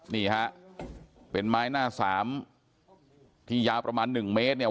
นี่ฮะเป็นไม้หน้าสามที่ยาวประมาณหนึ่งเมตรเนี่ย